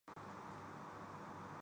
وہی غفورالرحیم ہے کہ ہماری خطائیں بخش دے